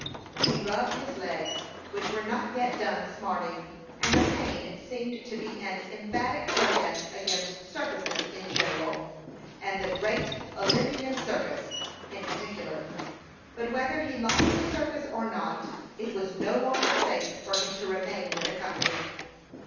He rubbed his legs, which were not yet done smarting; and the pain seemed to be an emphatic protest against circuses in general, and the "Great Olympian Circus" in particular. But whether he liked the circus or not, it was no longer safe for him to remain with the company.